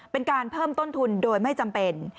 เป็นการเพิ่มต้นทุนโดยไม่จำเป็น